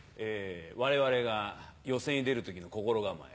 我々が寄席に出る時の心構え。